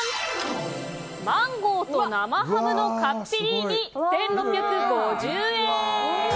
マンゴーと生ハムのカッペリーニ１６５０円！